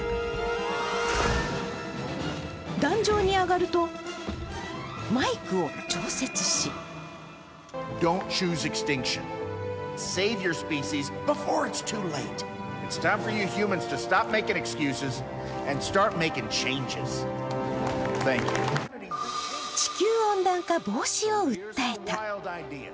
檀上に上がると、マイクを調節し地球温暖化防止を訴えた。